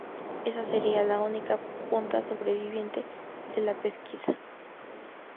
Esa sería la única punta sobreviviente de la pesquisa.